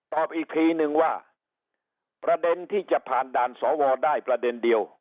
อีกทีนึงว่าประเด็นที่จะผ่านด่านสวได้ประเด็นเดียว